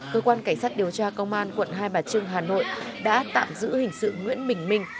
cơ quan cảnh sát điều tra công an quận hai bà trưng hà nội đã tạm giữ hình sự nguyễn bình minh